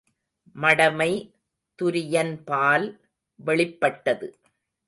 மடமை துரியன்பால் வெளிப்பட்டது.